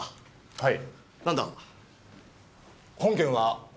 はい。